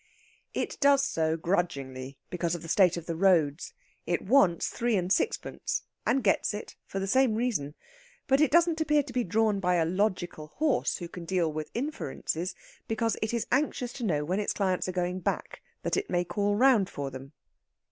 It does so grudgingly, because of the state of the roads. It wants three and sixpence, and gets it, for the same reason. But it doesn't appear to be drawn by a logical horse who can deal with inferences, because it is anxious to know when its clients are going back, that it may call round for them.